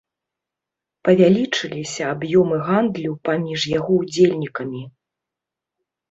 Павялічыліся аб'ёмы гандлю паміж яго ўдзельнікамі.